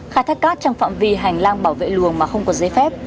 khai thác cát trong phạm vi hành lang bảo vệ luồng mà không có giấy phép